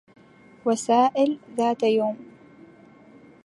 وسائل ذات يوم